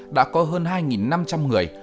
đã có hơn hai năm trăm linh người